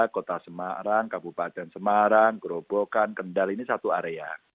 kota semarang kabupaten semarang gerobokan kendal ini satu area